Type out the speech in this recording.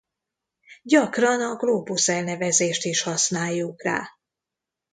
Gyakran a glóbusz elnevezést is használjuk rá.